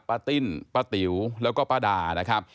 ติ้นป้าติ๋วแล้วก็ป้าดานะครับ